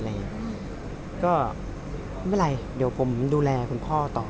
ก็ไม่เป็นไรเดี๋ยวผมดูแลคุณพ่อต่อ